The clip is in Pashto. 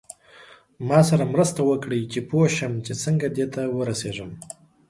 ما سره مرسته وکړئ چې پوه شم چې څنګه دې ته ورسیږم.